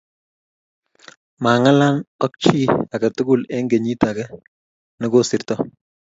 mang'alan ak chi age tugul eng' kenyit agenge ne kosirto